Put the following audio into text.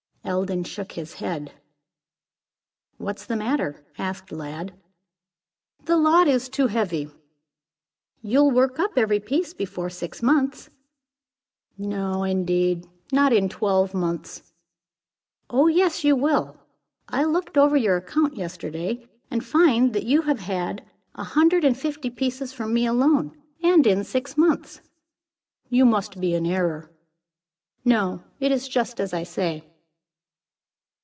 Eldon shook his head. "What's the matter?" asked Lladd. "The lot is too heavy." "You'll work up every piece before six months." "No, indeed. Not in twelve months." "Oh, yes, you will. I looked over your account yesterday, and find that you have had a hundred aid fifty pieces from me alone, and in six months." "You must be in error." "No. It is just as I say."